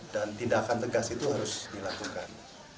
dan tidak akan tegas itu harus dilakukan